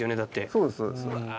そうです。